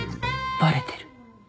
バレてる。